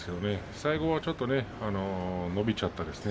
最後ちょっと伸びちゃったですね。